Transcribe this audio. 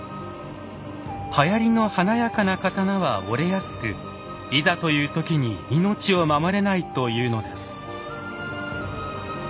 はやりの華やかな刀は折れやすくいざという時に命を守れないというのです。